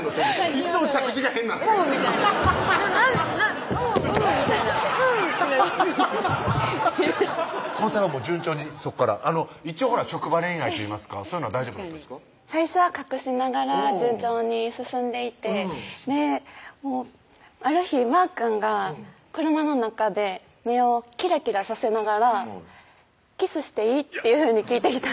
いつも着地が変な「おぉ」みたいな「えっなんうぅうぅ」みたいな「うぅー」ってなる交際は順調にそこから一応職場恋愛といいますかそういうのは大丈夫だった最初は隠しながら順調に進んでいってである日まーくんが車の中で目をキラキラさせながら「キスしていい？」っていうふうに聞いてきたんです